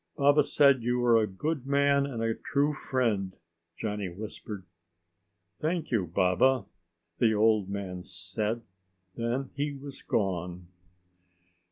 "Baba said you are a good man and a true friend," Johnny whispered. "Thank you, Baba," the old man said. Then he was gone.